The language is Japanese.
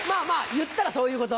言ったらそういうこと？